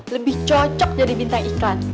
lebih cocok jadi bintang iklan